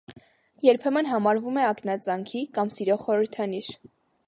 Երբեմն համարվում է ակնածանքի կամ սիրո խորհրդանիշ։